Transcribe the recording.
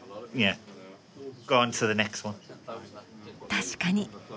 確かに。